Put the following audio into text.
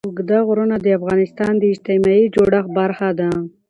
اوږده غرونه د افغانستان د اجتماعي جوړښت برخه ده.